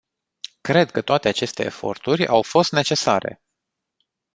Cred că toate aceste eforturi au fost necesare.